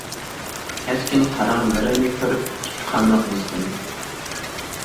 كەسكىن قارارلىرىنى كۆرۈپ ئىپتىخارلىق ھېس قىلدىم.